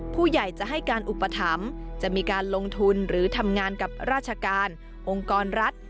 ผู้ใหญ่จะให้การอุปถัมภ์จะมีการลงทุนหรือทำงานกับราชการองค์กรรัฐ